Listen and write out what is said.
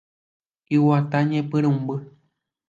Iguata ñepyrũmby.